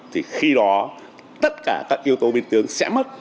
thì khi đó tất cả các yếu tố biến tướng sẽ mất